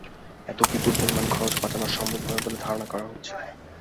এতে বিপুল পরিমাণ খরচ বাঁচানো সম্ভব হবে বলে ধারণা করা হচ্ছে।